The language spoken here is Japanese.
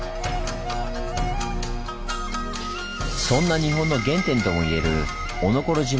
そんな日本の原点ともいえるおのころ